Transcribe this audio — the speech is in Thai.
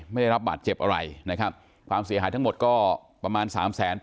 ไม่ได้รับบาดเจ็บอะไรนะครับความเสียหายทั้งหมดก็ประมาณ๓๘๐๐